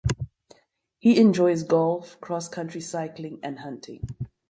He enjoys golf, cross-country cycling, and hunting.